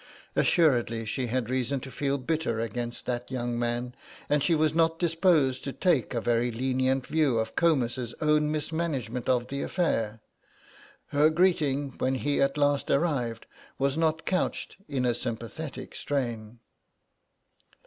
Assuredly she had reason to feel bitter against that young man, and she was not disposed to take a very lenient view of Comus's own mismanagement of the affair; her greeting when he at last arrived, was not couched in a sympathetic strain.